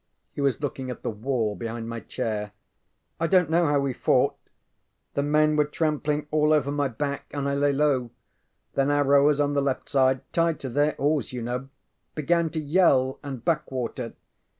He was looking at the wall behind my chair. ŌĆ£I donŌĆÖt know how we fought. The men were trampling all over my back, and I lay low. Then our rowers on the left side tied to their oars, you know began to yell and back water.